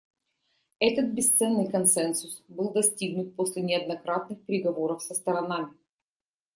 Этот бесценный консенсус был достигнут после неоднократных переговоров со сторонами.